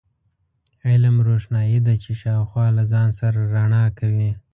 علم، روښنایي ده چې شاوخوا له ځان سره رڼا کوي.